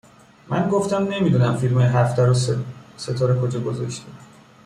من گفتم نمی دونم فیلمای هفته رو ستاره کجا گذاشته